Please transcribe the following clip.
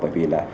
bởi vì là